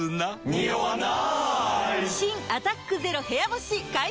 ニオわない！